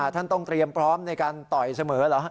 ท่านต้องเตรียมพร้อมในการต่อยเสมอเหรอฮะ